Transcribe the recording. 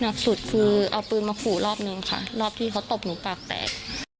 หนักสุดคือเอาปืนมาขู่รอบนึงค่ะรอบที่เขาตบหนูปากแตก